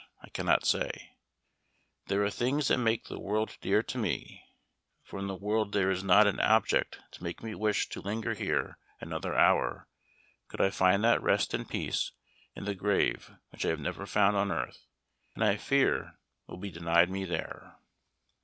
I cannot say, 'There are things that make the world dear to me,' for in the world there is not an object to make me wish to linger here another hour, could I find that rest and peace in the grave which I have never found on earth, and I fear will be denied me there."